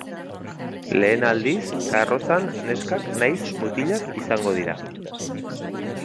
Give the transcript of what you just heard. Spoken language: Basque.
Lehen aldiz, karrozan neskak nahiz mutilak izango dira.